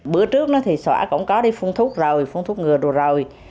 bữa trước thì xã cũng có đi phung thuốc rồi phung thuốc ngừa đồ rồi